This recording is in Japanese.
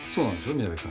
宮部君。